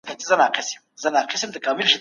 زه به د لالټين تتې رڼا ته ناست وم.